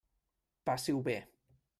Passi-ho bé.